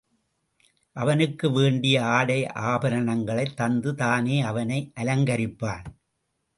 அவனுக்கு வேண்டிய ஆடை ஆபரணங்களைத் தந்து தானே அவனை அலங்கரிப்பான்.